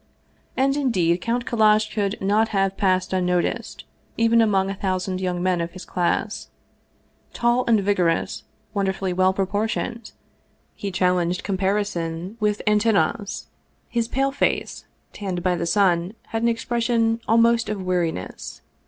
And indeed Count Kallash could not have passed un noticed, even among a thousand young men of his class. Tall and vigorous, wonderfully well proportioned, he chal lenged comparison with Antinoiis. His pale face, tanned by the sun, had an expression almost of weariness.